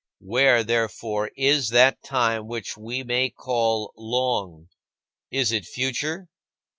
Where, therefore, is that time which we may call "long"? Is it future?